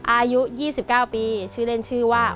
อายุ๒๙ปีชื่อเล่นชื่อว่า